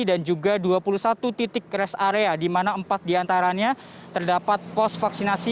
dan juga dua puluh satu titik rest area di mana empat diantaranya terdapat pos vaksinasi